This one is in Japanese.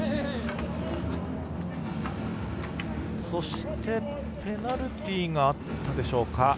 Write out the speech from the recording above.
そして、ペナルティーがあったでしょうか。